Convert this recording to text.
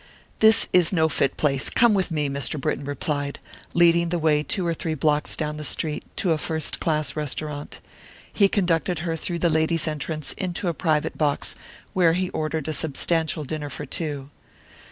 "This is no fit place; come with me," Mr. Britton replied, leading the way two or three blocks down the street, to a first class restaurant. He conducted her through the ladies' entrance into a private box, where he ordered a substantial dinner for two.